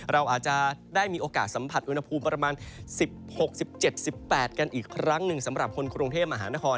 เราอาจจะได้มีโอกาสสัมผัสอุณหภูมิประมาณ๑๖๑๗๑๘กันอีกครั้งหนึ่งสำหรับคนกรุงเทพมหานคร